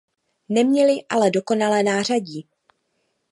Neměli ale dokonalé nářadí.